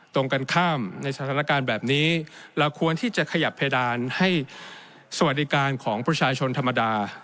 ตรงกันข้ามในสถานการณ์แบบนี้เราควรที่จะขยับเพดานให้สวัสดิการของประชาชนธรรมดา